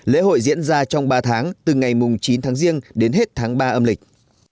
lễ hội diễn ra trong ba tháng từ ngày chín tháng riêng đến hết tháng ba âm lịch